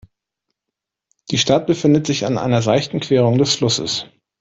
Die Stadt befindet sich an einer seichten Querung des Flusses.